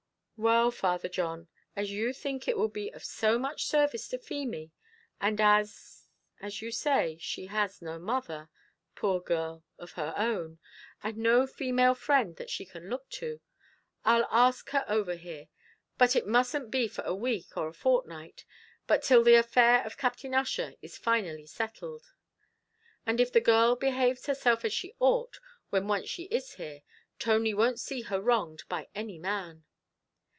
"Well, Father John, as you think it will be of so much service to Feemy, and as, as you say, she has no mother, poor girl, of her own, and no female friend that she can look to, I'll ask her over here. But it mustn't be for a week or a fortnight, but till the affair of Captain Ussher is finally settled. And if the girl behaves herself as she ought, when once she is here, Tony won't see her wronged by any man."